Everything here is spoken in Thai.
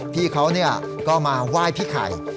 พี่เขาก็มาไหว้พี่ไข่